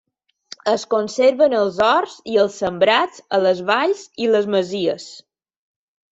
Es conserven els horts i els sembrats a les valls, i les masies.